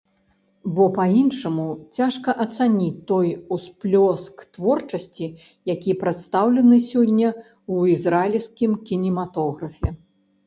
Бо па-іншаму цяжка ацаніць той усплёск творчасці, які прадстаўлены сёння ў ізраільскім кінематографе.